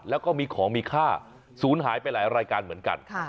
แล้วก็มีของมีค่าศูนย์หายไปหลายรายการเหมือนกัน